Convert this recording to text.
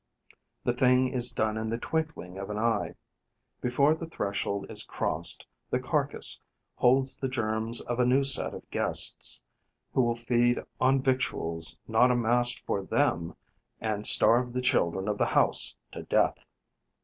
The thing is done in the twinkling of an eye: before the threshold is crossed, the carcase holds the germs of a new set of guests, who will feed on victuals not amassed for them and starve the children of the house to death.